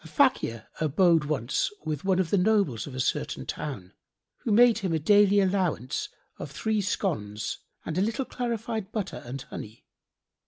[FN#66] A fakir[FN#67] abode once with one of the nobles of a certain town, who made him a daily allowance of three scones and a little clarified butter and honey.